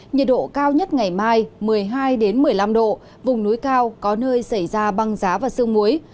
nhiệt độ cao nhất ngày mai một mươi hai một mươi năm độ vùng núi cao có nơi xảy ra băng giá và sương muối